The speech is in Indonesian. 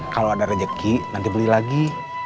kalau ada rezeki nanti beli lagi